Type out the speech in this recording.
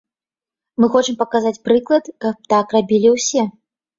Мы хочам паказаць прыклад, каб так рабілі ўсе.